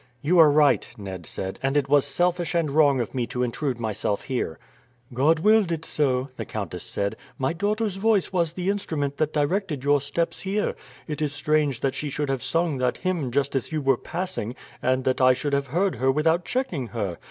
"You are right," Ned said; "and it was selfish and wrong of me to intrude myself here." "God willed it so," the countess said. "My daughter's voice was the instrument that directed your steps here. It is strange that she should have sung that hymn just as you were passing, and that I should have heard her without checking her.